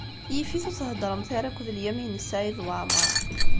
Yif-it ur theddṛemt ara akked Lyamin n Saɛid Waɛmeṛ.